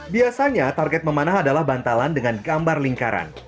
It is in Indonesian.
biasanya target memanah adalah bantalan dengan gambar lingkaran